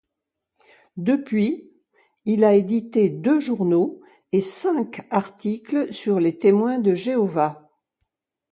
Depuis, il a édité deux journaux et cinq articles sur les Témoins de Jéhovah.